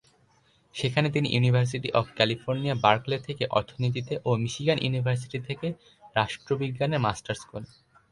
সেখানে তিনি university of California Berkeley থেকে অর্থনীতিতে ও মিশিগান ইউনিভার্সিটি থেকে রাষ্ট্রবিজ্ঞানে মাস্টার্স করেন।